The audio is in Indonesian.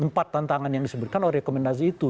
empat tantangan yang disebutkan oleh rekomendasi itu